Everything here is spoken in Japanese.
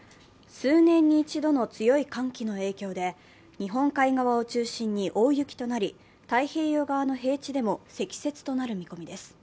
数年に一度の強い寒気の影響で日本海側を中心に大雪となり太平洋側の平地でも積雪となる見込みです。